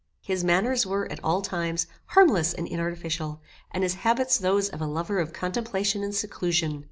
His manners were, at all times, harmless and inartificial, and his habits those of a lover of contemplation and seclusion.